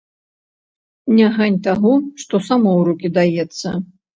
Не гань таго, што само ў рукі даецца.